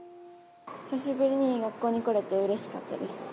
久しぶりに学校に来れてうれしかったです。